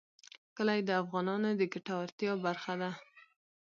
کلي د افغانانو د ګټورتیا برخه ده.